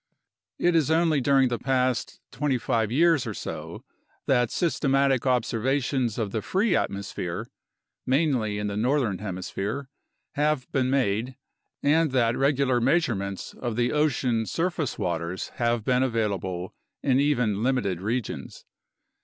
It is only during the past 25 years or so that systematic observa tions of the free atmosphere (mainly in the northern hemisphere) have been made and that regular measurements of the ocean surface waters have been available in even limited regions.